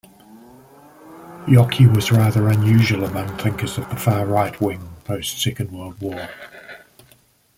Yockey was rather unusual among thinkers of the far right wing post-Second World War.